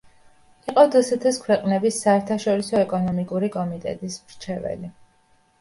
იყო დსთ-ს ქვეყნების საერთაშორისო ეკონომიკური კომიტეტის მრჩეველი.